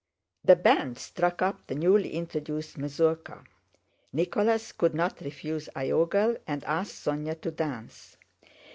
The band struck up the newly introduced mazurka. Nicholas could not refuse Iogel and asked Sónya to dance.